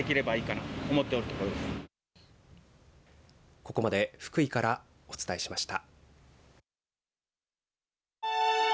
ここまで福井からお伝えしました。